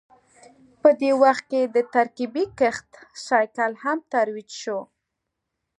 په دې وخت کې د ترکیبي کښت سایکل هم ترویج شو